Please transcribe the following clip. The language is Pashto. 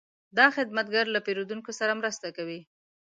دا خدمتګر له پیرودونکو سره مرسته کوي.